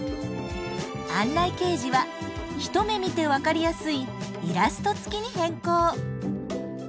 案内掲示は一目見て分かりやすいイラスト付きに変更。